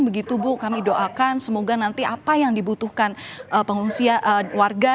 begitu bu kami doakan semoga nanti apa yang dibutuhkan pengungsi warga